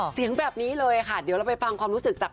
เสียงแบบนี้เลยค่ะเดี๋ยวเราไปฟังความรู้สึกจาก